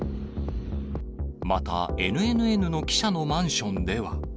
また、ＮＮＮの記者のマンションでは。